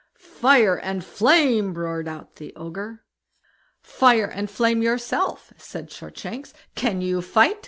"Fire and flame!" roared out the Ogre. "Fire and flame yourself!" said Shortshanks. "Can you fight?"